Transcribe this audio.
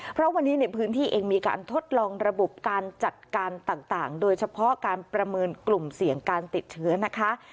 เพราะวันนี้ในพื้นที่เองมีการทดลองระบบการจัดการต่างโดยเฉพาะการประเมินกลุ่มเสี่ยงการติดเชื้อนะคะ